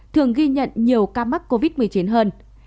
thường ghi nhận nhiều ca mắc covid một mươi chín hơn